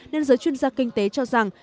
nên giới chuyên gia kinh tế cho rằng